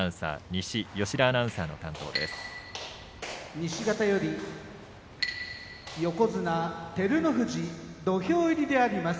西方より横綱照ノ富士土俵入りであります。